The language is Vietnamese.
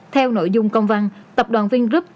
theo nội dung công văn tập đoàn vingroup